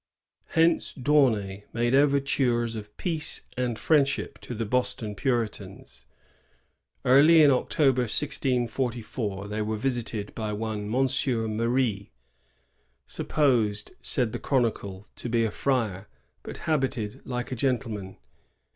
Hence D'Aunay made overtures of peace and friendship to the Boston Puritans. Early in October, VOL. I. — 8 84 LA TOUB AND THE PURITANS. [1644. 1644, they were visited by one Monsieur Marie, ^supposed/* says the chronicle, ^* to be a friar, but habited like a gentleman."